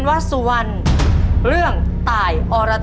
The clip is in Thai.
ขอเชิญแสงเดือนมาต่อชีวิต